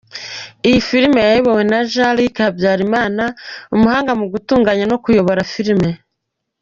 Iyi filime yayobowe na Jean Luc Habyarimana umuhanga mu gutunganya no kuyobora filime.